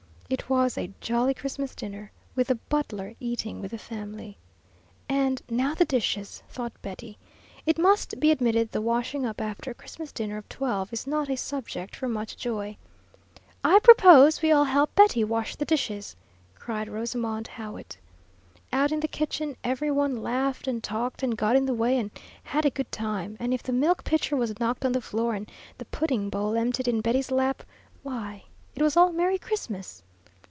It was a jolly Christmas dinner, with the "butler" eating with the family. "And now the dishes!" thought Betty. It must be admitted the "washing up" after a Christmas dinner of twelve is not a subject for much joy. "I propose we all help Betty wash the dishes!" cried Rosamond Howitt. Out in the kitchen every one laughed and talked and got in the way, and had a good time; and if the milk pitcher was knocked on the floor and the pudding bowl emptied in Betty's lap why, it was all "Merry Christmas."